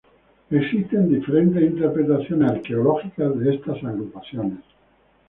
Existen diferentes interpretaciones arqueológicas de estas agrupaciones.